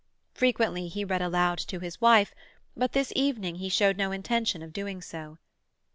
Frequently he read aloud to his wife, but this evening he showed no intention of doing so.